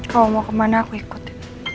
kalau mau kemana aku ikut